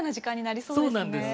そうなんですよ